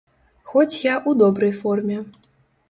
Хоць я ў добрай форме.